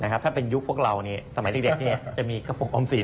ถ้าเป็นยุคพวกเราสมัยเด็กจะมีกระปุกออมสิน